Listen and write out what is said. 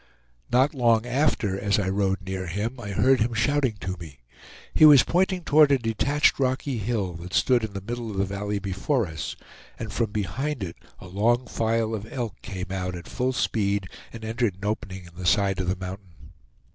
Not long after, as I rode near him, I heard him shouting to me. He was pointing toward a detached rocky hill that stood in the middle of the valley before us, and from behind it a long file of elk came out at full speed and entered an opening in the side of the mountain.